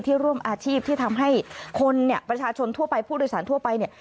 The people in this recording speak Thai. ร่วมอาชีพที่ทำให้คนเนี่ยประชาชนทั่วไปผู้โดยสารทั่วไปเนี่ย